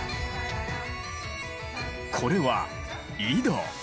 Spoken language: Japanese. これは井戸。